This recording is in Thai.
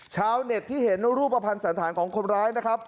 ชาวเน็ตที่เห็นรูปภัณฑ์สันธารของคนร้ายนะครับ